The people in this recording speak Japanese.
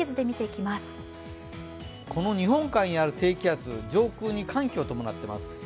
日本海にある低気圧、上空に寒気を伴っています。